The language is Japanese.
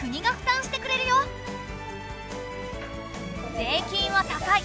税金は高い。